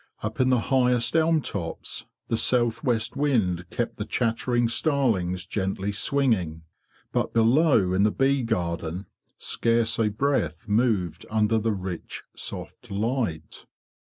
Up in the highest elm tops the south west wind kept the chattering starlings gently swinging, but below in the bee garden scarce a breath moved under the rich soft light.